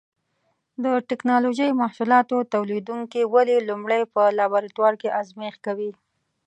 د ټېکنالوجۍ محصولاتو تولیدوونکي ولې لومړی په لابراتوار کې ازمېښت کوي؟